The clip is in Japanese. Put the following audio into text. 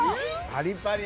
パリパリ！